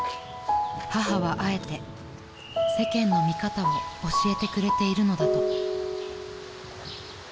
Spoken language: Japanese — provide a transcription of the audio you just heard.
［母はあえて世間の見方を教えてくれているのだと］